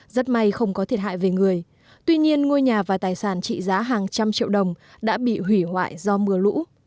rất may không có thiệt hại về người tuy nhiên ngôi nhà và tài sản trị giá hàng trăm triệu đồng đã bị hủy hoại do mưa lũ